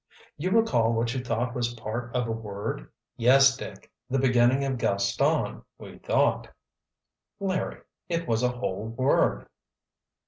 "You recall what you thought was part of a word?" "Yes, Dick—the beginning of 'Gaston,' we thought." "Larry—it was a whole word."